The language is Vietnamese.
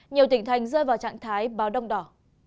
nhiều tỉnh thành rơi vào trạng thái báo đông đỏ